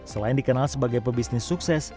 selain dikenal sebagai pebisnis sukses